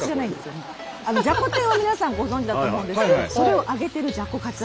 じゃこ天は皆さんご存じだと思うんですけどそれを揚げてるじゃこカツ。